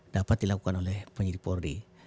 dapat dilakukan oleh penyidik polri